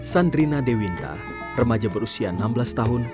sandrina dewinta remaja berusia enam belas tahun